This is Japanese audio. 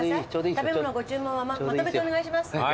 「食べ物ご注文はまとめてお願いします」